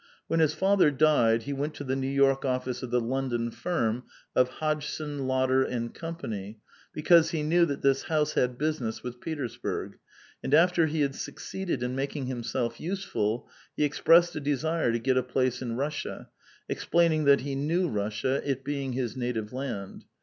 AVhen his father died, he went to the New York office of the London (ii m of Hodgson, Lotter and Company, because he knew that this house had business with Petersburg, and after he had succeeded in making himself useful, he expressed a desire to get a place in Russia, explaining that he knew Russia, it being his native land.